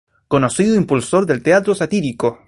Conocido impulsor del teatro satírico.